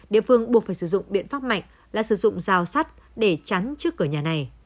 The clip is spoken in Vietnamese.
địa phương buộc phải sử dụng biện pháp mạnh là sử dụng rào sắt để chắn trước cửa nhà này